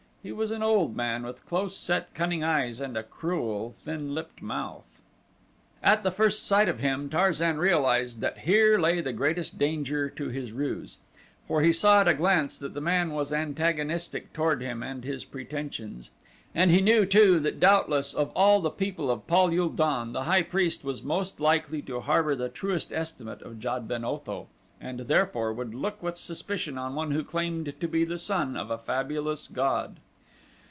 He was an old man with close set, cunning eyes and a cruel, thin lipped mouth. At first sight of him Tarzan realized that here lay the greatest danger to his ruse, for he saw at a glance that the man was antagonistic toward him and his pretensions, and he knew too that doubtless of all the people of Pal ul don the high priest was most likely to harbor the truest estimate of Jad ben Otho, and, therefore, would look with suspicion on one who claimed to be the son of a fabulous god.